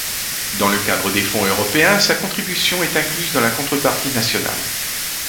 Dans le cadre des fonds européens sa contribution est incluse dans la contrepartie nationale.